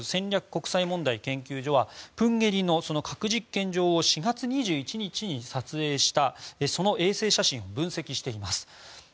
国際問題研究所はプンゲリの核実験場を４月２１日に撮影した衛星写真を分析しています。